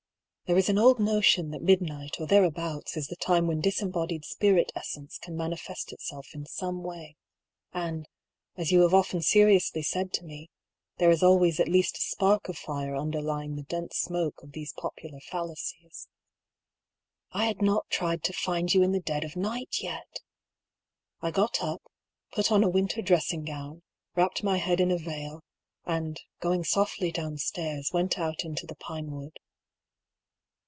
There is an old notion that midnight or thereabouts is the time when disembodied spirit essence can manifest itself in some way ; and, as you have often seriously said to me, there is always at least a spark of fire underlying the dense smoke of these popular fallacies. I had not tried to find you in the dead of night yet ! I got up, put on a winter dressing gown, wrapped my head in a veil, and, going softly downstairs, went out into the pinewood.